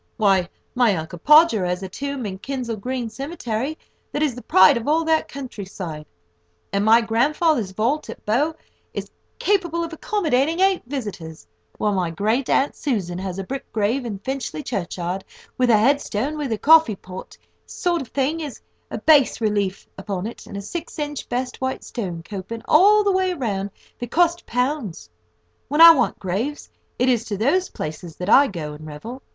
Why my uncle Podger has a tomb in Kensal Green Cemetery, that is the pride of all that country side; and my grandfather's vault at Bow is capable of accommodating eight visitors, while my great aunt Susan has a brick grave in Finchley Churchyard, with a headstone with a coffee pot sort of thing in bas relief upon it, and a six inch best white stone coping all the way round, that cost pounds. When I want graves, it is to those places that I go and revel.